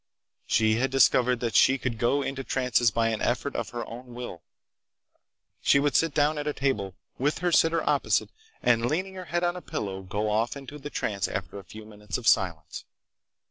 She had discovered that she could go into trances by an effort of her own will. She would sit down at a table, with her sitter opposite, and leaning her head on a pillow, go off into the trance after a few minutes of silence.